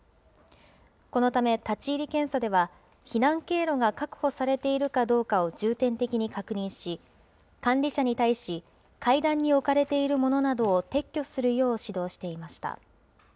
このため、立ち入り検査では、避難経路が確保されているかどうかを重点的に確認し、管理者に対し、会談に置かれている物などを撤去するよう指導していました。